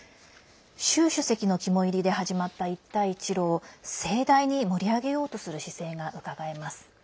習主席の肝煎りで始まった一帯一路を盛大に盛り上げようとする姿勢がうかがえます。